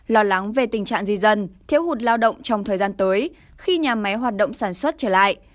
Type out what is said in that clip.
lo lắng về tình trạng di dân thiếu hụt lao động trong thời gian tới khi nhà máy hoạt động sản xuất trở lại